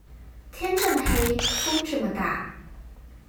天這麼黑，風這麼大